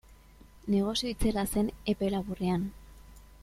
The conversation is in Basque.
Negozio itzela zen epe laburrean.